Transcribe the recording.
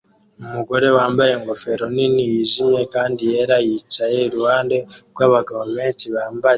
Umugore wambaye ingofero nini yijimye kandi yera yicaye iruhande rwabagabo benshi bambaye